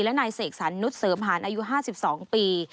และนายเสกสรรนุษยเสริมหารอายุ๕๒ปี